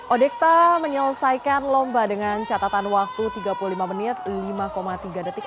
odekta menyelesaikan lomba dengan catatan waktu tiga puluh lima menit lima tiga detik